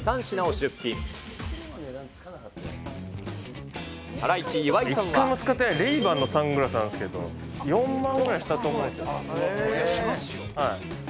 一回も使ってないレイバンのサングラスなんですけど、４万ぐらいしたと思うんですよ。